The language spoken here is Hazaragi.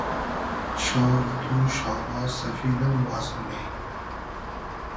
شاو رۂ تو شاوا سئفید ام واز مونی